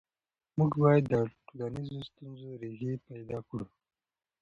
موږ باید د ټولنیزو ستونزو ریښې پیدا کړو.